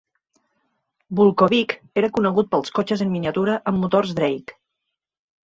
Vukovich era conegut pels cotxes en miniatura amb motors Drake.